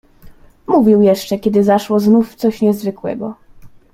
"Mówił jeszcze, kiedy zaszło znów coś niezwykłego."